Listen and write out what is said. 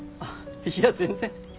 いや全然。